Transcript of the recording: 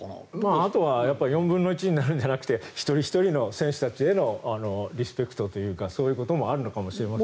あとは４分の１になるんじゃなくて一人ひとりの選手たちへのリスペクトというかそういうこともあるのかもしれませんが。